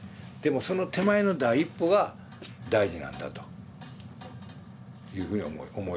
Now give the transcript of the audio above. でもその手前の第一歩が大事なんだというふうに思えてきたわけよ。